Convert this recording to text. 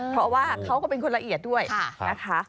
เพราะว่าเขาก็เป็นคนละเอียดด้วยนะคะ